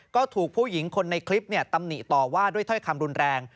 ก็ถูกผู้หญิงคนในคลิปตำหนิต่อว่าด้วยถ้อยคำรุนแรง